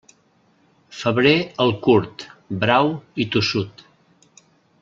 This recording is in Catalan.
Febrer el curt, brau i tossut.